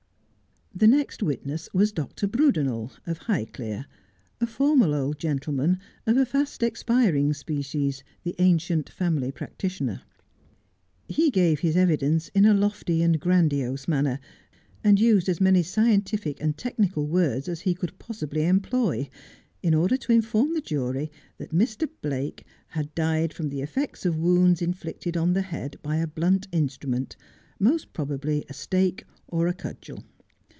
The next witness was Dr. Brudenel, of Highclere, a formal old gentleman of a fast expiring species, the ancient family practitioner. He gave his evidence in a lofty and grandiose manner, and used as many scientific and technical words as he could possibly employ, in order to inform the jury that Mr. Blake had died from the effects of wounds inflicted on the head by a blunt instrument, most probably a stake or cudgel.